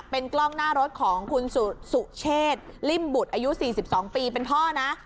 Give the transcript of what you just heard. เป็นกล้องหน้ารถของคุณสุเชษลิ่มบุตรอายุ๔๒ปีเป็นพ่อนะ